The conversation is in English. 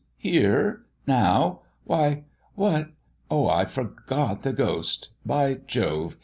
Here? Now? Why, what oh, I forgot the ghost! By Jove!